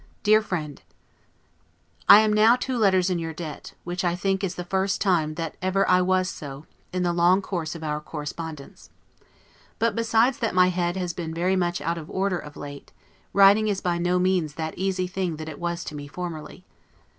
DEAR FRIEND: I am now two letters in your debt, which I think is the first time that ever I was so, in the long course of our correspondence. But, besides that my head has been very much out of order of late, writing is by no means that easy thing that it was to me formerly.